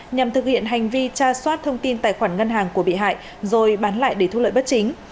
nhằm thực hiện hành vi tra soát thông tin tài khoản ngân hàng của bị hại rồi bán lại để thu lợi bất chính